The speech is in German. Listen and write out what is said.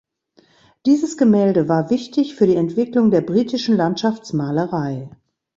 Dieses Gemälde war wichtig für die Entwicklung der britischen Landschaftsmalerei.